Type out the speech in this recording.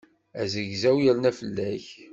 Azegzaw yerna fell-ak.